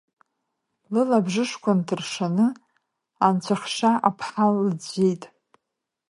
Лылабжышқәа нҭыршаны, Анцәахша аԥҳал лыӡәӡәеит.